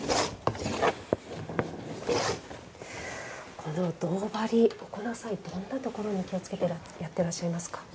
この胴張りを行う際、どこに気をつけてやってらっしゃいますか？